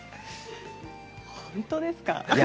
本当ですか。